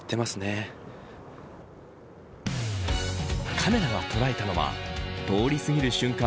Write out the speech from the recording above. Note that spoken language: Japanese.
カメラが捉えたのは通り過ぎる瞬間